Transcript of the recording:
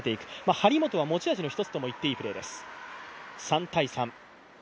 張本の持ち味の１つと言っていいプレーです。